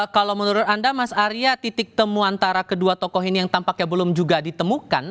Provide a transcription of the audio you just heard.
kalau menurut anda mas arya titik temu antara kedua tokoh ini yang tampaknya belum juga ditemukan